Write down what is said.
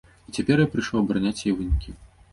І цяпер я прыйшоў абараняць яе вынікі.